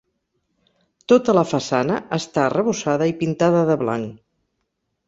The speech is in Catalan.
Tota la façana està arrebossada i pintada de blanc.